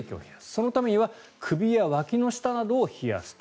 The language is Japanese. そのためには首やわきの下などを冷やす。